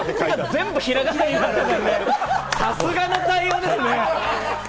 さすがの対応ですね。